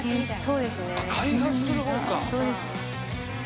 そうですね。